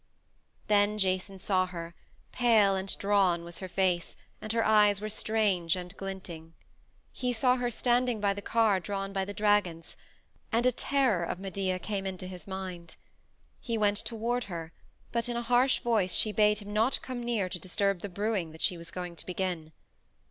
Then Jason saw her; pale and drawn was her face, and her eyes were strange and gleaming. He saw her standing by the car drawn by the dragons, and a terror of Medea came into his mind. He went toward her, but in a harsh voice she bade him not come near to disturb the brewing that she was going to begin.